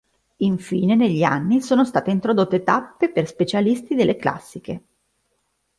Infine, negli anni, sono state introdotte tappe per specialisti delle classiche.